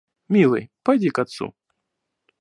Милый, пойди к отцу.